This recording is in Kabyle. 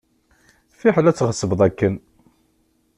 Fiḥel ad tɣeṣbeḍ akken.